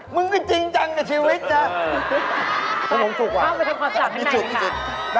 มึงไม่จริงจังจนชีวิตนะอือเข้าไปทำความสรรค์ให้หน้าเลยฮะ